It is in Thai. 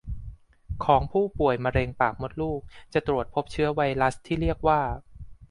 ของผู้ป่วยมะเร็งปากมดลูกจะตรวจพบเชื้อไวรัสที่เรียกว่า